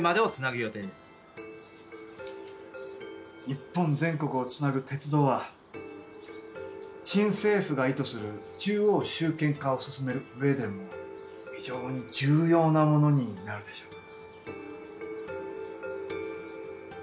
日本全国をつなぐ鉄道は新政府が意図する中央集権化を進めるうえでも非常に重要なものになるでしょう。